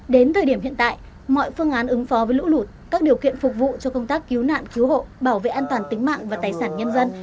đến thời điểm hiện tại mọi phương án ứng phó với lũ lụt các điều kiện phục vụ cho công tác cứu nạn cứu hộ bảo vệ an toàn tính mạng và tài sản nhân dân